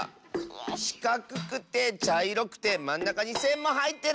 しかくくてちゃいろくてまんなかにせんもはいってる！